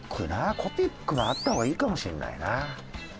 コピックもあった方がいいかもしれないな。